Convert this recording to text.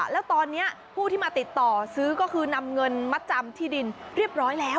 แล้วตอนนี้ผู้ที่มาติดต่อซื้อก็คือนำเงินมาจำที่ดินเรียบร้อยแล้ว